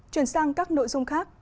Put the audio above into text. chuyển sang các nội dung khác